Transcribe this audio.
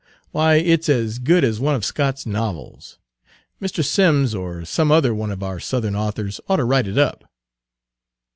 Why, it's as good as one of Scott's novels! Mr. Simms or some other one of our Southern authors ought to write it up."